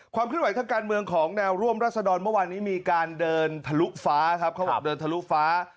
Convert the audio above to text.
ความคลิ่นไหวทางการเมืองของแนวร่วมรัษดรมันวันนี้มีการเดินทะลุฝ้า